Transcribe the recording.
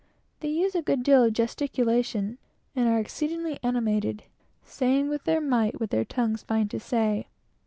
They use a good deal of gesticulation, and are exceedingly animated, saying with their might what their tongues find to say.